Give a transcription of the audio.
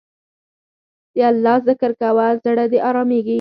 د الله ذکر کوه، زړه پرې آرامیږي.